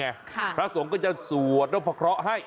ครับพระอาทรวงศ์ก็จะสวดและฟักระให้